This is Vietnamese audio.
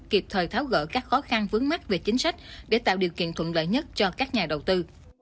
kịp thời tháo gỡ các khó khăn vướng mắt về chính sách để tạo điều kiện thuận lợi nhất cho các nhà đầu tư